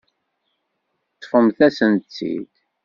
Ṭṭfemt-asent-tt-id.